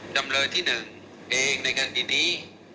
จำเลยที่หนึ่งเองในการดินดี